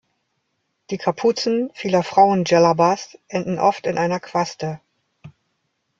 Die Kapuzen vieler Frauen-Djellabas enden oft in einer Quaste.